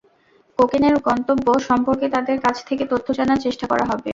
কোকেনের গন্তব্য সম্পর্কে তাঁদের কাছ থেকে তথ্য জানার চেষ্টা করা হবে।